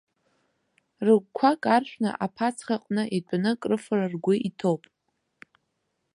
Рыгәқәа каршәны аԥацхаҟны итәаны акрыфара ргәы иҭоуп.